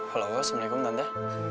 halo assalamualaikum tante